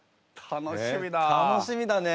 楽しみだね。